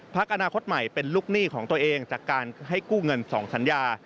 อนาคตใหม่เป็นลูกหนี้ของตัวเองจากการให้กู้เงิน๒สัญญา